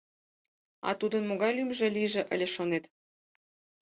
А тудын могай лӱмжӧ лийже ыле шонет?